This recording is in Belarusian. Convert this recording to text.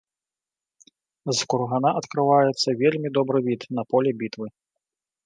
З кургана адкрываецца вельмі добры від на поле бітвы.